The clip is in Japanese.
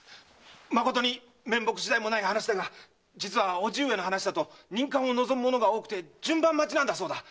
まことに面目次第もないが実は叔父上の話だと任官を望む者が多くて順番待ちだそうだ。